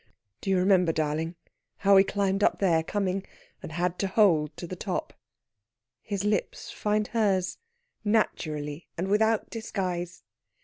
"Do you remember, darling, how we climbed up there, coming, and had hold to the top?" His lips find hers, naturally and without disguise.